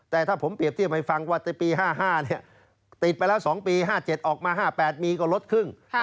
แต่ถ้าผมเปรียบเทียบให้ฟังว่าในปี๕๕ติดไปแล้ว๒ปี๕๗ออกมา๕๘มีก็ลดครึ่ง